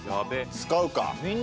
使うか。